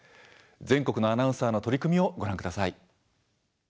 全国のアナウンサーの取り組みをご覧ください。